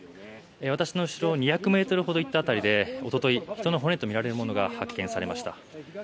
私の後ろ２００ｍほど行った辺りでおととい人の骨とみられるものが発見されました。